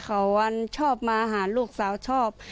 เขาชอบมาอาหารลูกสาวชอบ